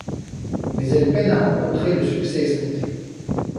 Mais elle peine à rencontrer le succès escompté.